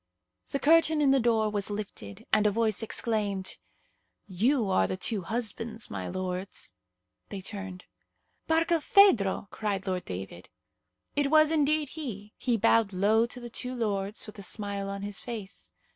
The curtain in the door was lifted, and a voice exclaimed, "You are the two husbands, my lords." They turned. "Barkilphedro!" cried Lord David. It was indeed he; he bowed low to the two lords, with a smile on his face.